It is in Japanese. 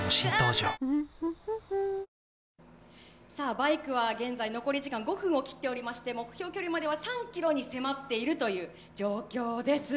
バイクは現在残り時間５分を切っておりまして目標距離までは３ｋｍに迫っている状況です。